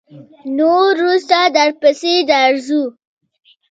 نور وروسته درپسې درځو.